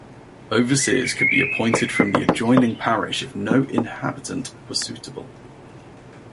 Overseers could be appointed from an adjoining parish if no inhabitant was suitable.